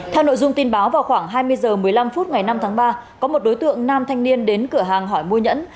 theo nội dung tin báo vào khoảng hai mươi h một mươi năm phút ngày năm tháng ba có một đối tượng nam thanh niên đến cửa hàng hỏi mua nhẫn